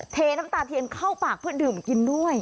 เทน้ำตาเทียนเข้าปากเพื่อดื่มกินด้วย